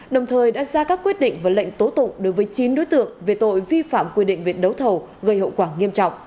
đồng thời đã ra các quyết định và lệnh tố tụng đối với chín đối tượng về tội vi phạm quy định viện đấu thầu gây hậu quả nghiêm trọng